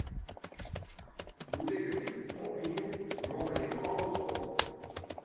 Doe't ik it iten op hie, romme ik alles op.